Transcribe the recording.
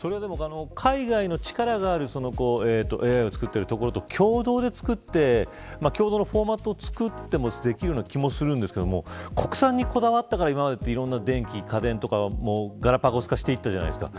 海外の力があるＡＩを作っているところと共同で作って、共同のフォーマットを作ってできるような気もするんですが国産にこだわったから今までいろんな家電とかガラパゴス化していったじゃないですか。